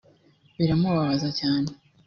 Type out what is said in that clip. biramubabaza cyane